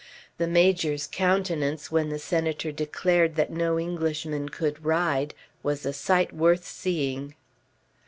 The Major's countenance, when the Senator declared that no Englishman could ride, was a sight worth seeing.